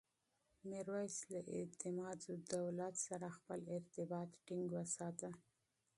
میرویس له اعتمادالدولة سره خپل ارتباط ټینګ وساته.